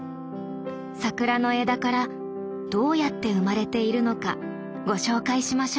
桜の枝からどうやって生まれているのかご紹介しましょう。